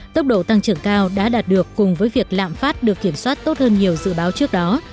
tốc độ tăng trưởng cao đã đạt được cùng với việc lạm phát được kiểm soát tốt hơn nhiều dự báo trước đó